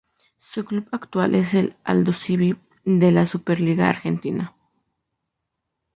Su club actual es Aldosivi de la Superliga Argentina.